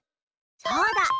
そうだ！